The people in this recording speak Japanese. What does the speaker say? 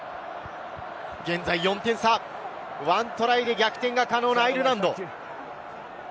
現在４点差、１トライで逆転が可能なアイルランド。